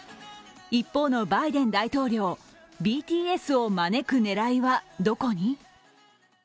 一方のバイデン大統領ＢＴＳを招く狙いはどこに？